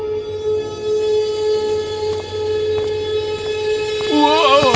dan rambut emas tebal di dalam istana